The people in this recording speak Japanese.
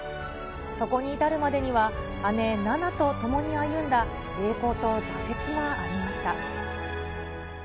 そこに至るまでには、姉、菜那と共に歩んだ栄光と挫折がありました。